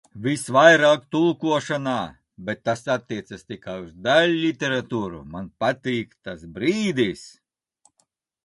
Visvairāk tulkošanā - bet tas attiecās tikai uz daiļliteratūru - man patīk tas brīdis.